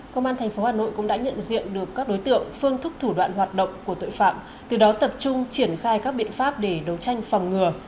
công an tp hà nội cũng đã nhận diện được các đối tượng phương thức thủ đoạn hoạt động của tội phạm từ đó tập trung triển khai các biện pháp để đấu tranh phòng ngừa